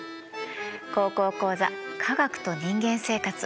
「高校講座科学と人間生活」